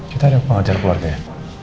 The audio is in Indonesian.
kita ada pengajar keluarga ya